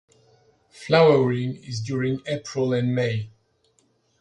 Flowering is during April and May.